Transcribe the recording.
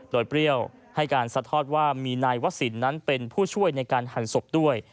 โดยเปรี้ยวให้การสะทอดว่ามีนายวศิลปนั้นเป็นผู้ช่วยในการหั่นศพด้วย